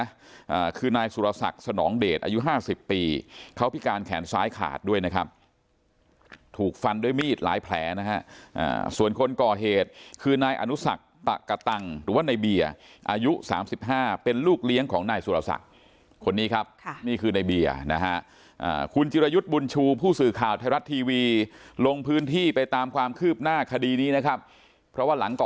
อ่าคือนายสุรสักษณ์สนองเดชอายุห้าสิบปีเขาพิการแขนซ้ายขาดด้วยนะครับถูกฟันด้วยมีดหลายแผลนะฮะอ่าส่วนคนก่อเหตุคือนายอนุสักตะกะตังหรือว่าในเบียร์อายุสามสิบห้าเป็นลูกเลี้ยงของนายสุรสักษณ์คนนี้ครับค่ะนี่คือในเบียร์นะฮะอ่าคุณจิรยุทธ์บุญชูผู้สื่อข่าวไทยรั